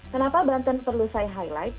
kenapa banten perlu saya highlight